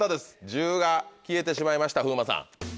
１０が消えてしまいました風磨さん。